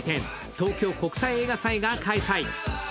東京国際映画祭が開催。